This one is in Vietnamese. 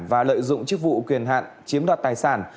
và lợi dụng chức vụ quyền hạn chiếm đoạt tài sản